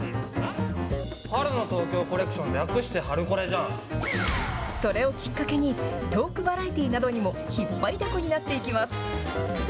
春の東京コレクション、それをきっかけに、トークバラエティーなどにも引っ張りだこになっていきます。